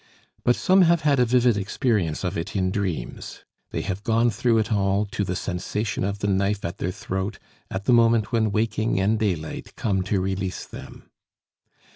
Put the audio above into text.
But some have had a vivid experience of it in dreams; they have gone through it all, to the sensation of the knife at their throat, at the moment when waking and daylight come to release them.